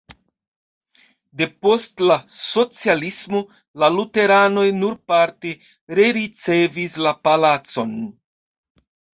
Depost la socialismo la luteranoj nur parte rericevis la palacon.